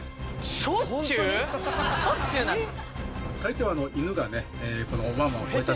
しょっちゅうなの？